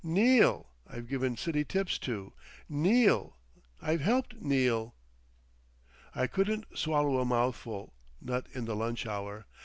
Neal I've given city tips to! Neal! I've helped Neal.... "I couldn't swallow a mouthful—not in the lunch hour.